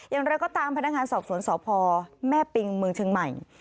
อย่างไรก็ตามพนักงานสอบสวนสพแม่ปิงเมืองเชียงใหม่